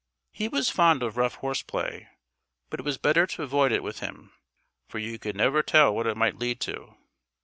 He was fond of rough horse play; but it was better to avoid it with him, for you could never tell what it might lead to.